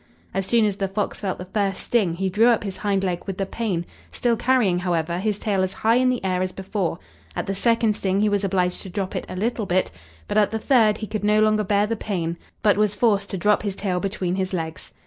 As soon as the fox felt the first sting he drew up his hind leg with the pain, still carrying, however, his tail as high in the air as before; at the second sting he was obliged to drop it a little bit; but at the third he could no longer bear the pain, but was forced to drop his tail between his legs.